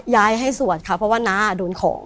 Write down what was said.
ให้สวดค่ะเพราะว่าน้าโดนของ